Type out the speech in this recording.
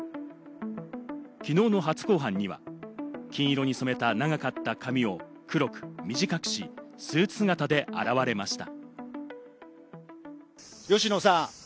きのうの初公判には、金色に染めた長かった髪を黒く短くし、スーツ姿で現れました。